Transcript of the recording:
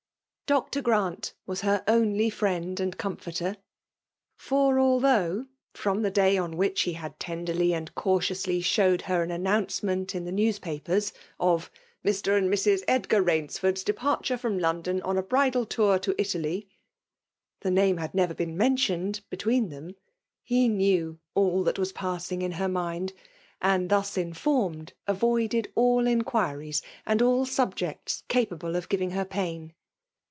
Dr. Grant was he^. only friend and comforter ; for although^ from the day on which he had tenderly and can* tiotisly showed her ma announcement in th6 Be^vspa^pets, of ♦' Mr. and Mrs. Edgar lUins fo^rci s departure from London oh a bridal t<mr to Italy," the name had n^ver been mentioned between them ; he knew all that waa passing in her mind, and, thus informed, avoided all inquiries and all subjects capable of giving h<ir pain.